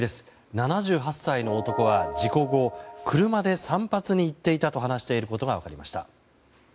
７８歳の男は事故後、車で散髪に行っていたと話していることが分かりました。